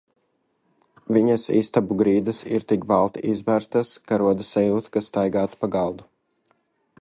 Viņas istabu grīdas ir tik balti izberztas, ka rodas sajūta, ka staigātu pa galdu.